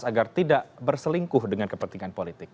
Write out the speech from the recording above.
agar tidak berselingkuh dengan kepentingan politik